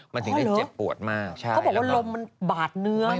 มันถึงได้เจ็บปวดมากใช่เขาบอกว่าลมมันบาดเนื้อ